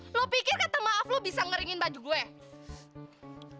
lu pikir kata maaf lu bisa ngeringin baju gua ya